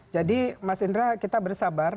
jadi mas indra kita bersabar